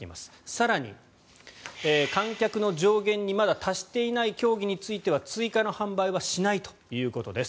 更に観客の上限にまだ達していない競技については追加の販売はしないということです。